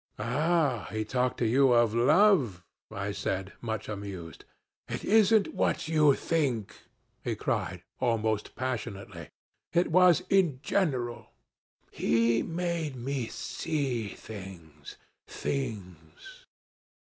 'Ah, he talked to you of love!' I said, much amused. 'It isn't what you think,' he cried, almost passionately. 'It was in general. He made me see things things.'